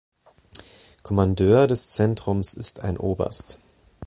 Kommandeur des Zentrums ist ein Oberst.